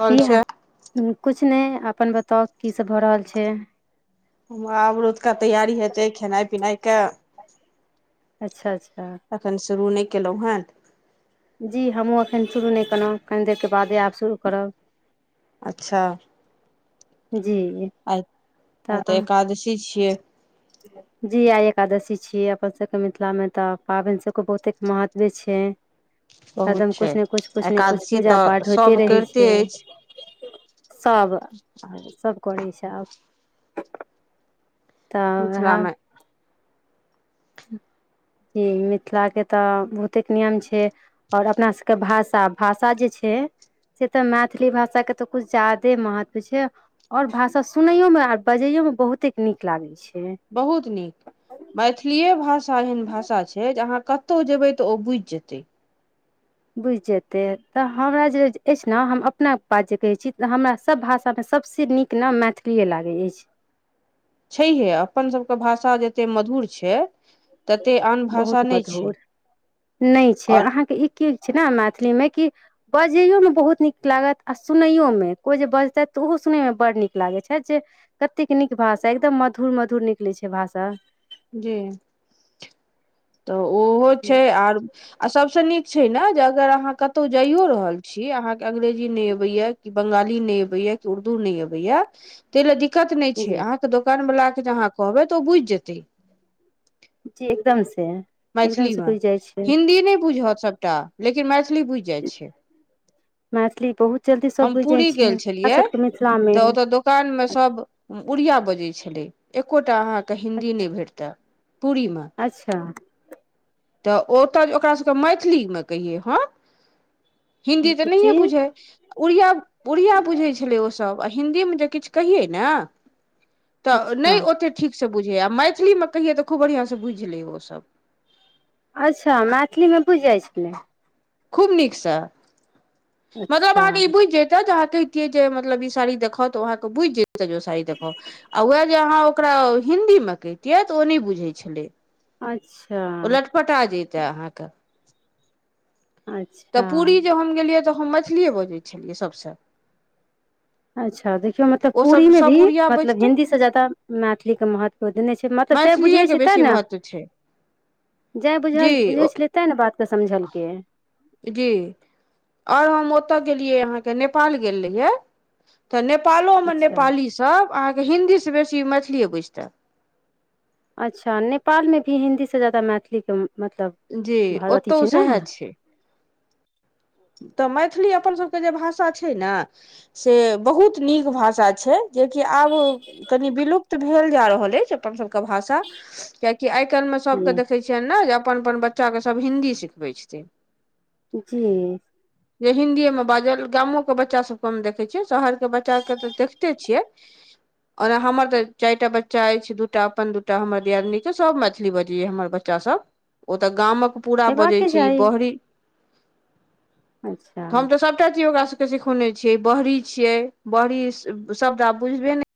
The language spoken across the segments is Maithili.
रहल कि छै हा किछु नहि अपन बताउ कीसभ भऽ रहल छै अबरूतके तैयारी हेतै खेनाई पिनाई के अच्छा अच्छा। तखन शुरू नहि केलहुँ हे जी हमहू एखन शुरू नहि केलहु कनि देरके बादे आब शुरू करब अच्छा। जी। आ तऽ एकादशी छियै जी आ एकादशी छिय अपन सभके मिथिला मे तऽ पाबनि सभके बहुते महत्वे छै बहुत हरदम छै किछु ने किुछ किछ ने किछु एकादशी पूजा तऽ पाठ होइते सभ रहे करिते छै तब आ सभ करै छै आब तऽ वएह मिथिलामे जी मिथिलाके तऽ बहुते नियम छै। ओर अपना सभके भाषा भाषा जे छै से तऽ मैथिली भाषाके तऽ कछु ज्यादे महत्व छै। और भाषा सुनयो में आर बजैयो में बहुते नीक लागे छै। बहुत नीक मैथिलीए भाषा एहन भाषा छै जे अहाँ कत। तऽ जेबै तऽ ओ बुझ जेतै बुझि जेतै तऽ हमरा जे अछि ने हम अपना बात जे कहैत छी तऽ हमरा सभ भाषामे सभसँ नीक। केना मैथिलीए लागै अछि। छैहे अपन सभके भाषा जतेक मधुर छै ततेक आन बहुत भाषा नहि छै मधुर नहि छै आओर अहाँकेँ ई की छै ने मैथिलीमे कि बजैओमे बहुत नीक लागत आ सुनैओमे कोइ जे बजतथि तऽ ओहो सुनैमे बड्ड नीक लागैत छथि ज कतेक नीक भाषा एकदम मधुर मधुर निकलैत छै भाषा। जी तऽ ओहो छै आर। आ सभ सँ नीक छै ने जे अगर अहाँ कतौ जाइयो रहल छी अहाँकेँ अंग्रेजी नहि अबैया कि बंगाली नहि अबैया कि उर्दू नहि अबैया। ताहि लए दिक्कत नहि छै जी अहाँकेँ दोकान वला के जे अहाँ कहबै तऽ ओ बुझि जेतै जी एकदम से। एकदम से मैथिलीमे बुझि जाइ छै हिन्दी नहि बुझत सभटा लेकिन मैथिली बुझि जाइत छै। मैथिली बहुत जल्दी सब हम बुझि जाइ पूरी छै हमरा सके मिथिलामे कान मे सभ उरिया बजै छलै एको टा अहाँके हिन्दी नहि भेटतै पूरी मे अच्छा। तऽ ओतय जे ओकास सभके मैथिलीमे कहियै ह हिन्दी तऽ नहि जी ह बुझै। उरिया उरिया बुझै छलै ओ सभ आ हिंन्दी मे जे किछु कहियै ने। तऽ नय अच्छा ओते ठीक सँ बुझैए आ मैथिली मे कहियै तऽ खूब बढ़िआँ सँ बुझि लै ओसभ। अच्छा मैथिली मे बुझि जाइ छले। खूब नीक से मतलब अच्छा अहाँ के ई बुझि जते जहाँके। के जे मतलब ई साड़ी देखाऊ तऽ ओ आहाँ के बुझि जेते जे ओ साड़ी देखाऊ आ उएह जे अहाँ ओकरा हिन्दी मे कहितियै तऽ ओ नहि बुझैत छलै। अच्छा। पटा जते अहाँके तऽ अच्छा पूरी जे हम गेलियै तऽ हम मैथलिए बजै छलियै सभ सँ अच्छा देखियौ मतलब पुरी ओसभ मे भी मतलब बजितै हिंन्दी सँ ज्यादा मैथिली के महत्व ओ देने छै मतलब जाय बुझै छैै ते ने त छै जाय बुझ जी बुझै छलै तें ने बात के समझलके ए जी आओर हम ओतय गेलियै अहाँकेँ नेपाल गेल रहियै तऽ नेपालो मे अच्छा नेपाली सभ अहाँके हिन्दी सँ बेसी मैथिलीए बुझितै अच्छा नेपाल मे भी हिन्दी सँ जादा मैथिली के मतलब जी भाव अथी ओतौ छै ने सएहे छै तऽ मैथिली अपन सभके जे भाषा छै ने से बहुत नीक भाषा छै जेकि आब कनि विलुप्त भेल जा रहल अछि अपन सभके भाषा कियाकि आइ काल्हि मे सबके जी देखै छियनि नऽ जे अपन अपन बच्चा के सब हिन्दी सिखबै छथिन जी जे हिंदीएमे बाजल गामो के बच्चा सभ कम देखै छियै शहरके बच्चा केँ तऽ देखिते छियै ओना हमर तऽ चारि टा बच्चा अछि दूटा अपन दूटा हमर दियादिनि के सब मैथिली बजैया हमर बच्च बच्चा सब ओतऽ गामक पूरा हेबाक बजै के छै ई चाही बहरी अच्छा हम तऽ सबटा चीज ओकरा सबके सिखौने छियै बहरी छिये बहरी शब्द आब बुझबे ने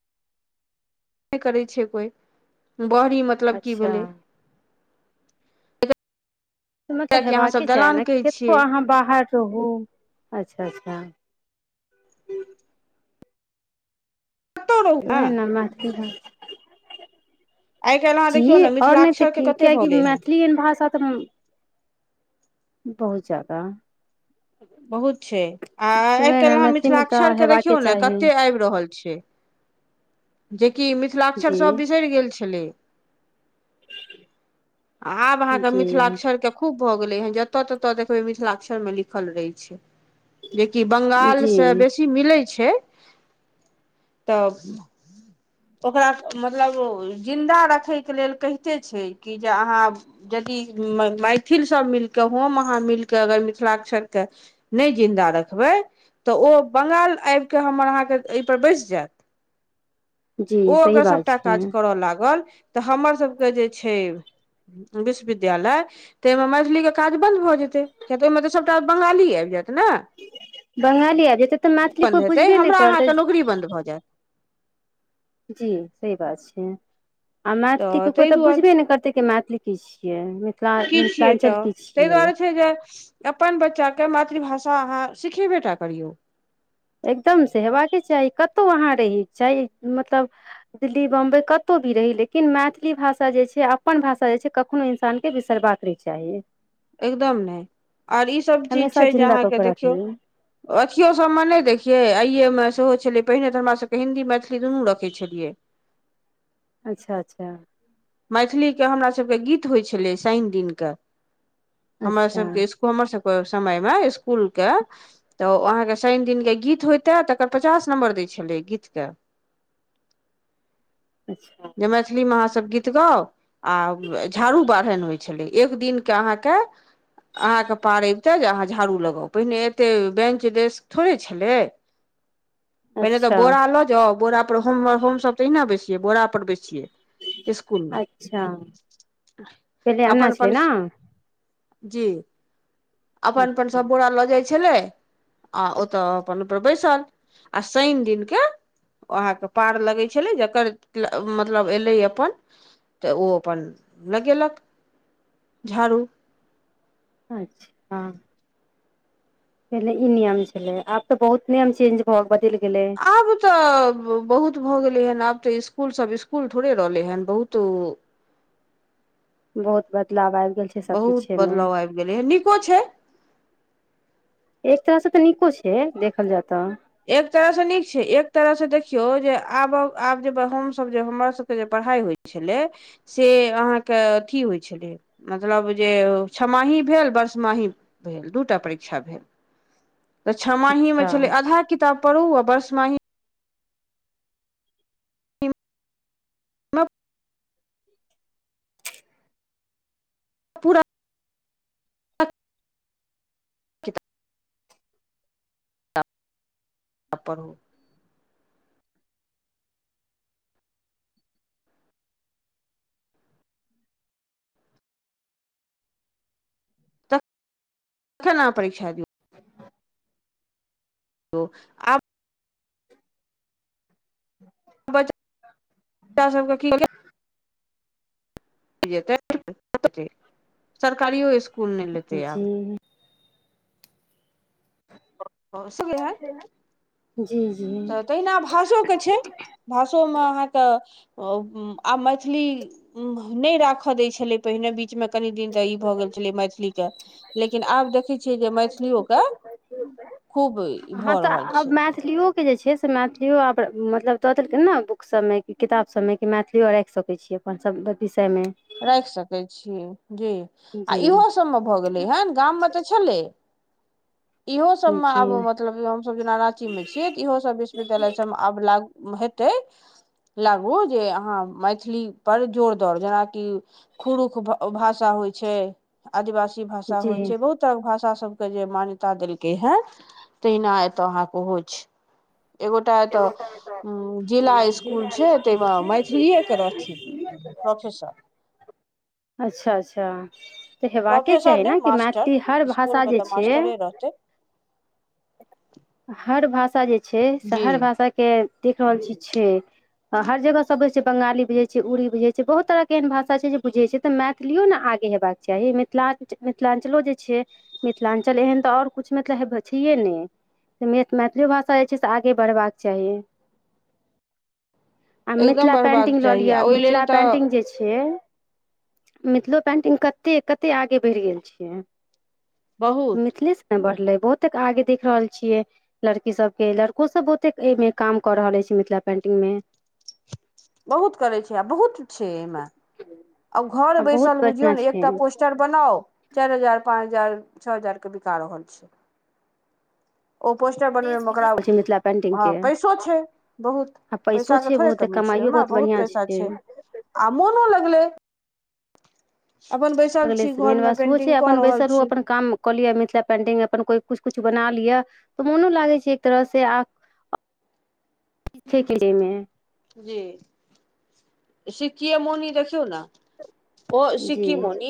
करै छै कोइ बहरी मतलब की अच्छा भेलै मतलब कियाकि अहाँ हेबाक कऽ सब चाही दलान ने कहै कतबो छियै अहाँ बाहर रहू अच्छा अच्छा कतौ रहू ने उहिय नऽ मैथली भाषा आइ काल्हि अहाँ जी देखियौ ने आओर नहि तऽ मिथिलाक्षर के की कते कियकि भलै हेँ मैथिली एहन भाषा तऽ बहुत जादा बहुत छै आ तऽ आइ वएह ने काल्हि अहाँ मैथिलीमे मिथिलाक्षर तऽ केँ हेबाके देखियौ ने चाही कते आबि रहल छै जेकि मिथिलाक्षर जी सभ बिसरि गेल छलै आब अहाँके जी मिथिलाक्षर के खूब भऽ गेलै हन जत ततऽ देखबै मिथिलाक्षर मे लिखल रहै छै जेकि बंगाल सँ जी बेसी मिलै छै तऽ ओकरा मतलब जिन्दा रखय के लेल कहिते छै कि जे अहाँ यदि मैथिल सभ मिलि कऽ हम अहाँ मिलि कऽ अगर मिथिलाक्षर केँ नय जिन्दा रखबै तऽ ओ बंगाल आब कऽ हमर अहाँके एहिपर बैसि जायत जी ओ सही अगर बात सभटा छै काज करय लागल तऽ हमर सभ के जे छै विश्वविद्यालय तऽहिमे मैथलीक के काज बन्द भऽ जेतै किय तऽ ओहिमे तऽ सभटा बंगाली आबि जायत ना बंगाली आबि जेतै तऽ मैथिली बंद कोइ हेते बुझबे नहि हमरा आहा करतै कऽ नौकरी बंद भ जायत जी सही बात छै आ मैथिली ककरो ताहि तऽ दुआरे बुझबे ने करतै के मैथिली की छियै मि की छियै तऽ ताहि दुआरे छै जे अपन बच्चा कऽ मातृभाषा अहाँ सिखेबे टा करियौ एकदम से हेबाके चाही कतहु अहाँ रहियो चाही मतलब दिल्ली बम्बई कतौ भी रही लेकिन मैथिली भाषा जे छै अपन भाषा जे छै कखनो इंसान के बिसरबाक नहि चाहिए एकदम नहि आर इसभ चीज हमेशा छै जे जिन्दा कऽ अहाँके के देखियौ रखी अथिओ सभमें नहि देखियै आइएमें सेहो छलै पहिने तऽ हमरा सभके हिन्दी मैथिली दुनू रखै छलियै अच्छा-अच्छा मैथिलीके हमरा सभके गीत होइ छलै शनि दिन कऽ हमरा अच्छा सभके स्कू हमर सबके समय मऽ स्कुल के तऽ ओ अहाँके शनि दिनके गीत होइते तकर पचास नम्बर दै छेलै गीतके अच्छा जे मैथिली मऽ अहाँसभ गी तऽ गाउ आ झाड़ू बाढ़ैन होइ छलै एक दिन के अहाँके अहाँके पार अबिते जे अहाँ झाड़ू लगाउ पहिने एते बेंच-डेस्क थोड़े छलै [inaudible] पहिने तऽ अच्छा बोरा लऽ जाउ बोरा पर हम हमसभ तऽ एहिना बैसिय बोरा पर बैसिये इस्कुल मे अच्छा पहिले एना छलै अपन-अपन ने जी अपन-अपन अच्छा सब बोरा लऽ जाइ छलै आ ओतऽ अपन-अपन बैसल आ शनि दिन केँ ओ अहाँ कऽ पार लगे छेलै जकर मतलब एलै अपन तऽ ओ अपन लगेलक झाड़ू अच्छा हँ पहिले ई नियम छेलै आब तऽ बहुत नियम चेंज भऽ बदैल गेलै आब तऽ बहुत भऽ गेलै हन आब तऽ स्कूल सब स्कूल थोड़े रहलै हन बहुत ऊ बहुत बदलाव आबि गेल छै बहुत सभकिछेमे बदलाव आइब गेलैय नीको छै एक तरह सँ तऽ नीको छै देखल जै तऽ एक तरह स नीक छै एक तरह से देखियौ जे आबक आब जे हम सब जे हमर सब के जे पढ़ाई होय छेलै से अहाँकेँ अथी होइ छेलै मतलब जे ओ छमाही भेल बर्षमाही भेल दूटा परीक्षा भेल [inaudible] तऽ छ माही मे अच्छा छलै आधा किताब पढ़ू आ बर्षमाही मऽ पूरा किताब पढ़हु केना परीक्षा दिऔ [inaudible] तो आब बच्चा सबके की [unintelligible] [unintelligible] सरकारियो इस्कूल नय लेतै आब जी ओ सब ओहै [unintelligible] जी तऽ तहिना भाषो केँ छै भाषो म अहाँ कऽ अब आब मैथिली नइ राखऽ दै छलै पहिने बीच मे कनि दिन तऽ ई भऽ गेल छलै मैथिलीकेँ लेकिन आब देखै छियै जे मैथिलियो कऽ खूब भऽ रहल छै मैथिलियो केँ जे छे से मैथिली आब मतलब द देलकै नऽ बुक सभ मे किताब सभमे कि मैथिलियो राइख सके छी [unintelligible] सब विषय मे राइख सकै छी जी आ जी इहो सभ मे भऽ गेलै हन गाम मऽ तऽ छलै इहो सब मऽ जी आब म तलब हमसभ जेना रााँची मे छी तऽ इहोसभ विश्वविद्यालय सभ मे आब लागू हेतै लागु जे अहाँ मैथिली पर जोर दर जना कि खुरुख भाषा होइ छै आदिवासी भाषा जी होइ छै बहुत तऽ भाषा सबके जे मान्यता देलकै है तहिना एतऽ अहाँकेँ ओहो छै एगोटा एतऽ जिला स्कूल छै ताहिमे मैथिलीए केँ रहथिन ऑफिसर अच्छऽ - अच्छऽ त हेबा केँ प्रोफेसर चाही नहि नऽ कि मास्टर मैथिली हर भाषा इसकुलमे जे तऽ छै मास्टरे रहतै हर भाषा जे छै से जी हर भाषा केँ देख रहल छी छे हर जगह पे छे बंगाली बुझे छेय उरदृ बृझे छे बहुत तरह के एहन भाषा छे बूंझे छे त मै मैथिलियओ ने आबे हेबा कऽ चाही मिथिलाञ मिथिलाञ्चलो जे छे मिथिलाञ्चल एहन त आओर कुछु मतलब हा छेये ने मैथिली भाषा जे छे से आगे बढ़ बाक चाही आ एकदम मिथिला बढ़बाक पेन्टिंग लऽ चाही लिआ आ ओहि मिथिला लेल तऽ पेन्टिंग जे छे मिथिलो पेन्टिंग कते कते आगे बढ़ गेल छै बहुत मिथिले से ने बढ़ले बहुते आगे देख रहल लिये। लड़की सभ के लड़को सभ बहुते ऐह मे काम कऽ रहले छे मिथिला पेंटिंग मे बहुत करे छे आ बहुत छे एहि मे कि भेल आ घर बेसल बुझियो नहि एकटा पोस्ट पिक्चर बनाउ चार हजार पाँच हजार छै ओ हजार के बिका रहल छे [inaudible] ओ पोस्टर बन बे देश मेओकरा विदेश छै मिथिला पेंटिंग हा के पैसो छे बहुत आ पैसो पैसा के छै थोड़े बहुते कमी छे कमाइयो ओ बहुत बढ़िया पैसा छै छे आ मोनो लागले अपन बेश अगले सँ मेन बात ओ छे अपन बेसलू अपन काम कऽ लिय मिथिला पेंटिंग अपन कोइ कुछ कुछ बना लिअ त मोनो लागे छे एक तरह स आ आ कि लेमे जी सिकिया मोनि देखियौ ने जी सिक्किम मोनी।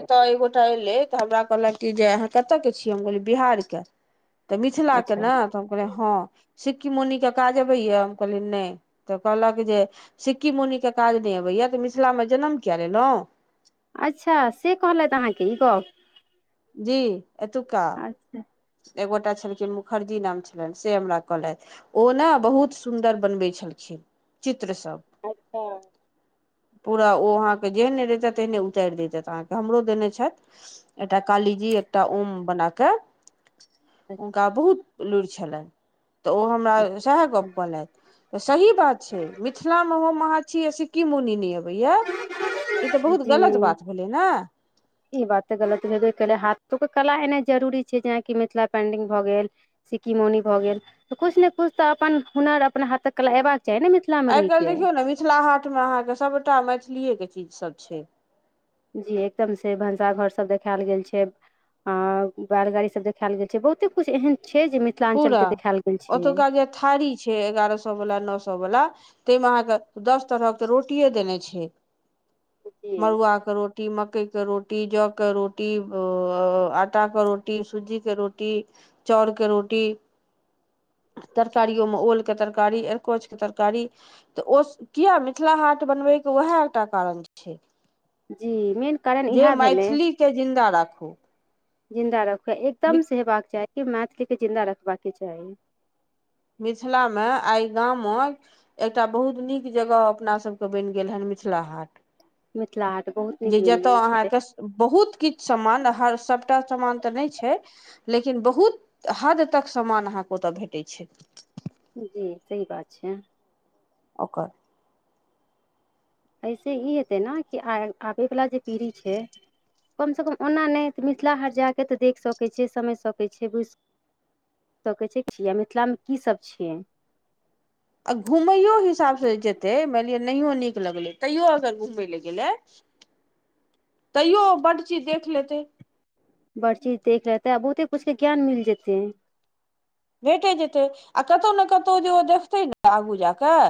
एता एक गोटा एयले तऽ हमरा कहलक कि जे अहा कतय के छियो हम कहलो बिहार के तऽ मिथिलाक के ने अच्छा तऽ हम कहलिये हा सिक्की मुनी काज अबैय हम कहलिये ने तऽ कहलक जे सिक्की मुनि के काज ने अबैया तऽ मिथिलामे जनम किया लेलो अच्छा से कह लथ अहाँकेँ ई गप जी एतुकऽ अच्छा। एगोटा छलखिन मुखर्जी नाम छेल से हमरा कहलेथ ओ ने बहुत सुन्दर बन बै छलखिन चित्र सभ अच्छा। पूरा ओ अहा के जेह ने रहत तेहने उतारि दतत अहाँकेँ हमरो देने छथि एटा काली जी एकटा ओम बना कऽ अच्छा हुनका बहुत लुरि छेन। तऽ ओ हमरा अच्छा साह गप अच्छा केलाय तऽ सही बात छे मिथिला मे हम अहा छी कि मुनि ने अबेय ई तऽ बहुत गलत बात भेले ने चा ई बात तऽ गलत भेबे केले हाथो के कला एना जरुरी छै जेनाकि मिथिला पेंटिंग भऽ गेल सिक्की मौनी भऽ गेल कुछ नहि कछ तऽ अपन हुनर अपन हाथक कला अयबाक चाही ने मिथिला आइ काल्हि देखियौ ने मिथिला हाट मे अहाँकेँ सभटा मैथीले के चीज सभ छै जी एकदम से भनसा घर सभ देखायल गेल छै आ बैलगाड़ी सभ देखायल गेल छे बहुते कुछ एहन छै जे मिथिला पूरा चलके देखायल गेल छे ओतुका जे थारी छे एगारह सए वला नो सए वाला तेमा अहाँकेँ दस तरह के रोटिए देने छे जी मड़ुआ के रोटी कि मकइ के रोटी जौ के रोटी आटा के रोटी सुज्जी के रोटी चोर के रोटी। तरकारि ओ मे ओल के तरकारी अकोच के तरकारी तऽ ओ किया मिथिला हाट बनबैके उएह एकटा कारण छै जी मेन कारण जे इएह भेलै मैथिली के जिन्दा राखू जिन्दा रखै एकदम से हेबाक चाही कि मैथिलीे के जिन्दा रखबा के चाही मिथिला मे आइ गामक एकटा बहुत नीक जगह अपना सभके बनि गेल हन मिथिला हाट मिथिला हाट बहुत नीक जे मनि जतय गेल छै अहाँके बहुत किछ सामान हर सभटा सामान तऽ नय छै लेकिन बहुत हद तक सामान अहाँकेँ ओतय भेटै छै जी सही बात छै ओकर ऐसे ई हेतै ने कि आ आबे वला जे पीढ़ी छै कम सँ कम ओना नय तऽ मिथिला हाट जा कऽ तऽ देख सकै छै समझि सकै छै बुझि सकै छै किया मिथिला मे की सब छै आ घूमैयो हिसाब से जेतै मानि लिए नहियो नीक लगलै तैयो अगर घुमय लए गेलै [inaudible] तैयो ओ बड चीज देख लेतै बड़ चीज देख लेतै आ बहुते कुछ के ज्ञान मिल जेतै भेटे जेतै आ कतौ ने कतौ जे ओ देखतै ने आगू जा कऽ